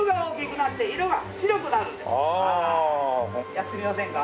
やってみませんか？